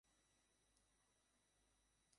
এখন, প্রিয়।